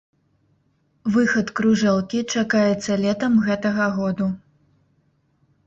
Выхад кружэлкі чакаецца летам гэтага году.